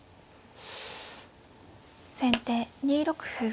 先手２六歩。